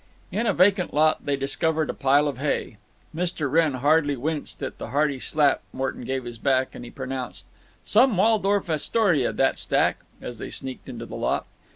In a vacant lot they discovered a pile of hay. Mr. Wrenn hardly winced at the hearty slap Morton gave his back, and he pronounced, "Some Waldorf Astoria, that stack!" as they sneaked into the lot.